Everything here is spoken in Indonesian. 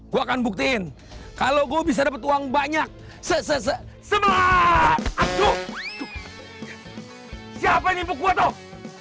gua akan buktiin kalau gue bisa dapat uang banyak se se sebelah aduh siapa nyipu gua tuh